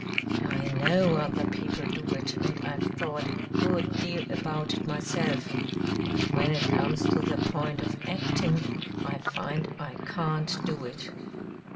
I know other people do it and I've thought a good deal about it myself, but when it comes to the point of acting I find I can't do it."